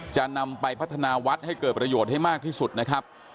จะนำไปพัฒนาวัดให้เกิดประโยชน์ให้มากที่สุดนะครับ